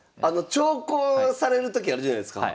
長考される時あるじゃないすか。